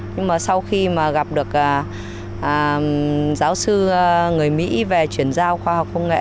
nhưng mà sau khi mà gặp được giáo sư người mỹ về chuyển giao khoa học công nghệ